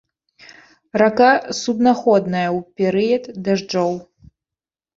Рака суднаходная ў перыяд дажджоў.